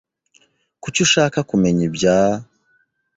Kuki ushaka kumenya ibya ?